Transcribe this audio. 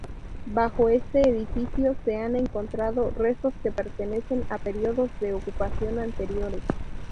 Bajo este edificio se han encontrado restos que pertenecen a periodos de ocupación anteriores.